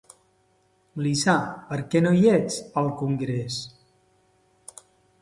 Lisa, per què no hi ets, al congrés?